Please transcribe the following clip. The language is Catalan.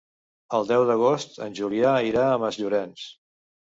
El deu d'agost en Julià irà a Masllorenç.